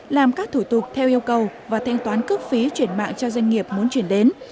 làm các thủ tục theo yêu cầu và thanh toán cước phí chuyển mạng cho doanh nghiệp muốn chuyển đến